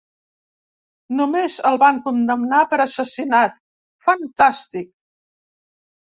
Només el van condemnar per assassinat, fantàstic!